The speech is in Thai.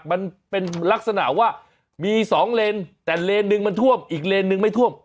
มันเป็นลักษณะว่ามีสองเลนแต่เลนหนึ่งมันท่วมอีกเลนหนึ่งไม่ท่วม